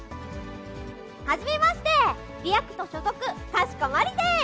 はじめまして、リ・アクト所属、かしこまりです。